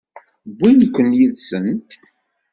Wwint-ken yid-sent?